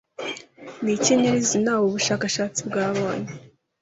Ni iki nyirizina ubu bushakashatsi bwabonye?